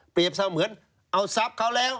เปรียบเช่าเหมือนเอาทรัพย์เขาแล้ว